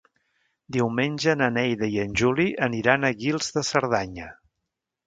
Diumenge na Neida i en Juli aniran a Guils de Cerdanya.